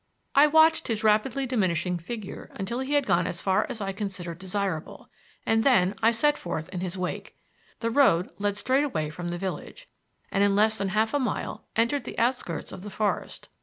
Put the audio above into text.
I watched his rapidly diminishing figure until he had gone as far as I considered desirable, and then I set forth in his wake. The road led straight away from the village, and in less than half a mile entered the outskirts of the forest.